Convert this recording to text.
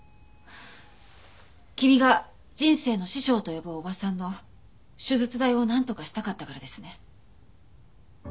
君が人生の師匠と呼ぶおばさんの手術代をなんとかしたかったからですね？